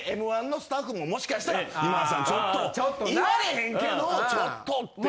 『Ｍ−１』のスタッフももしかしたら今田さんちょっと言われへんけどちょっとって。